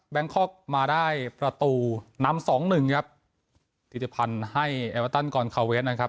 คอกมาได้ประตูนำสองหนึ่งครับธิติพันธ์ให้เอเวอร์ตันกอนคาเวสนะครับ